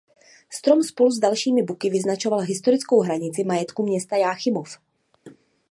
Strom spolu s dalšími buky vyznačoval historickou hranici majetku města Jáchymov.